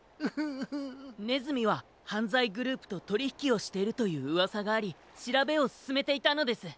ねずみははんざいグループととりひきをしているといううわさがありしらべをすすめていたのです。